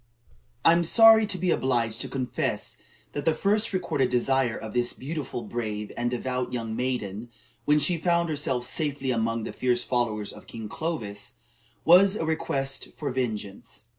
I am sorry to be obliged to confess that the first recorded desire of this beautiful, brave, and devout young maiden, when she found herself safely among the fierce followers of King Clovis, was a request for vengeance.